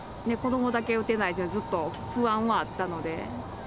子どもだけ打てないって、ずっと不安はあったので。